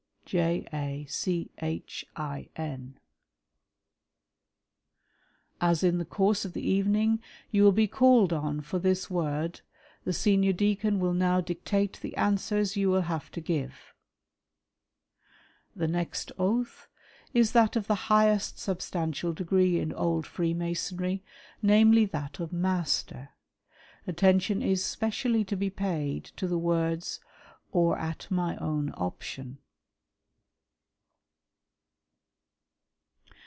FREEMASONRY WITH OUKSELYES. 129 "As in the course of the evening you will be called on for this "" word, the Senior Deacon will now dictate the answers you will " have to give." The next oath is that of the highest substantial degree in old Freemasonry, namely, that of Master. Attention is specially to be paid to the words "or at my own option."